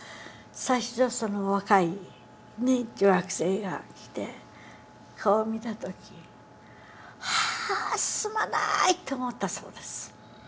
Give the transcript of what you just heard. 最初その若い女学生が来て顔見た時「ああすまない！」と思ったそうです。